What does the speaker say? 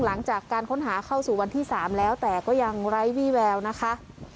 หลังจากการค้นหาเข้าสู่วันที่๓แล้วแต่ก็ยังไร้วี่แววนะคะ